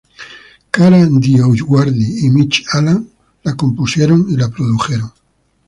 Kara DioGuardi y Mitch Allan la compusieron y la produjeron.